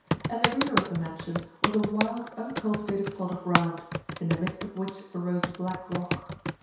At the rear of the mansion was a wild, uncultivated plot of ground, in the midst of which arose a black rock.